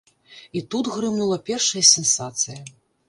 І тут грымнула першая сенсацыя.